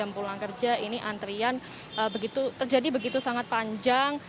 jam pulang kerja ini antrean terjadi begitu sangat panjang